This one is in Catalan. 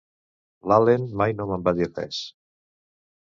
L'Allen mai no me'n va dir res!